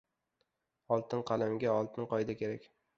«Oltin qalam»ga oltin qoida kerak!